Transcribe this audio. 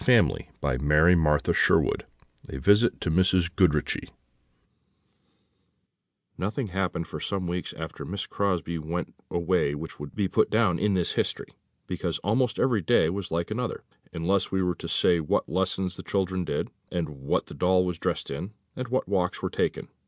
A Visit to Mrs. Goodriche [Illustration: In the summer parlour] Nothing happened for some weeks after Miss Crosbie went away which could be put down in this history, because almost every day was like another, unless we were to say what lessons the children did, and what the doll was dressed in, and what walks were taken.